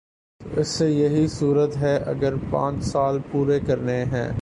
تو اس کی یہی صورت ہے اگر پانچ سال پورے کرنے ہیں۔